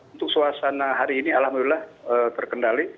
untuk suasana hari ini alhamdulillah terkendali